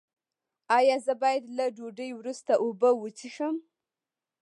ایا زه باید له ډوډۍ وروسته اوبه وڅښم؟